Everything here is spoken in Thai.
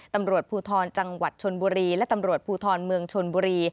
ตำรวจภูทรจังหวัดชนบุรีและตำรวจภูทรเมืองชนบุรี